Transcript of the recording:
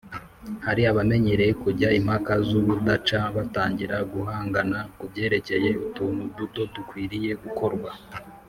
hari abamenyereye kujya impaka z’urudaca, batangira guhangana ku byerekeye utuntu duto dukwiriye gukorwa,